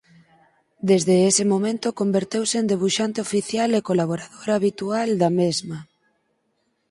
Desde ese momento converteuse en debuxante oficial e colaborador habitual da mesma.